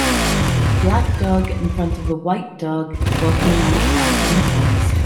A black dog in front of a white dog walking on a path in a forest